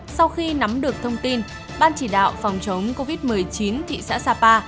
sau khi nắm được thông tin ban chỉ đạo phòng chống covid một mươi chín thị xã sapa